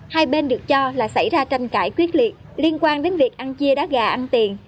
hai bên được cho là xảy ra tranh cãi quyết liệt liên quan đến việc ăn chia đá gà ăn tiền